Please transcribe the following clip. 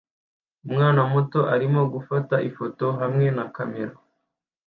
Umwana muto arimo gufata ifoto hamwe na kamera